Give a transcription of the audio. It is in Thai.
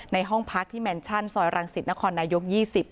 ห้องพักที่แมนชั่นซอยรังสิตนครนายก๒๐